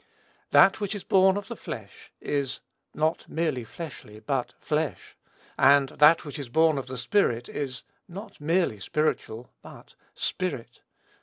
"That which is born of the flesh is (not merely fleshly, but) flesh; and that which is born of the Spirit is, (not merely spiritual, but) spirit."